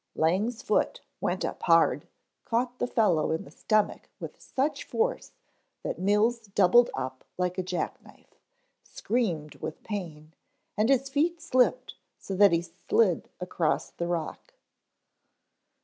Lang's foot went up hard, caught the fellow in the stomach with such force that Mills doubled up like a jackknife, screamed with pain, and his feet slipped so that he slid across the rock.